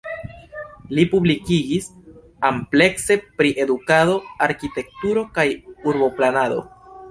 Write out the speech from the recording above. Li publikigis amplekse pri edukado, arkitekturo kaj urboplanado.